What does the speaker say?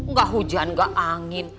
ga hujan ga angin